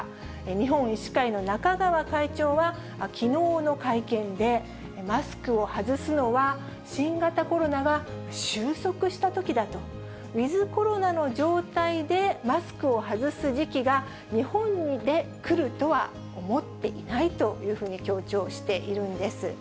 日本医師会の中川会長は、きのうの会見で、マスクを外すのは新型コロナが終息したときだと、ウィズコロナの状態でマスクを外す時期が日本でくるとは思っていないというふうに強調しているんです。